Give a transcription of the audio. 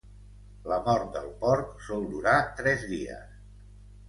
La mort del porc sol durar tres dies.